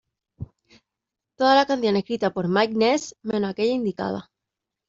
Todas las canciones escritas por Mike Ness menos aquellas indicadas.